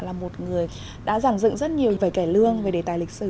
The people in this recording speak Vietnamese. là một người đã giảng dựng rất nhiều về kẻ lương về đề tài lịch sử